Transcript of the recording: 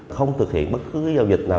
không thực hiện bất cứ giao dịch nào